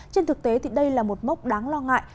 trên thực tế thì đây là một mốc đáng lo ngại